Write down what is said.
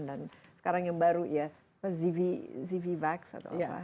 dan sekarang yang baru ya zivivax atau apa